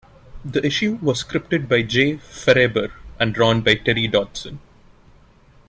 The issue was scripted by Jay Faerber and drawn by Terry Dodson.